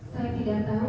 saya tidak tahu